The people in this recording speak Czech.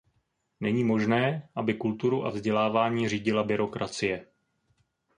Není možné, aby kulturu a vzdělávání řídila byrokracie.